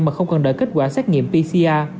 mà không cần đợi kết quả xét nghiệm pcr